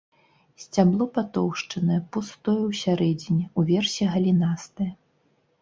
Сцябло патоўшчанае, пустое ўсярэдзіне, уверсе галінастае.